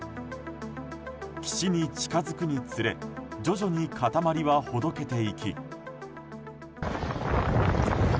岸に近づくにつれ徐々に固まりはほどけていき。